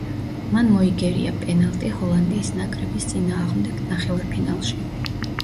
მან მოიგერია პენალტი ჰოლანდიის ნაკრების წინააღმდეგ, ნახევარფინალში.